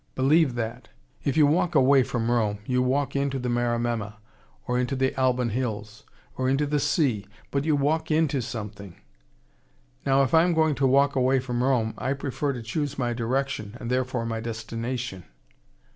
Believe that. If you walk away from Rome, you walk into the Maremma, or into the Alban Hills, or into the sea but you walk into something. Now if I am going to walk away from Rome, I prefer to choose my direction, and therefore my destination."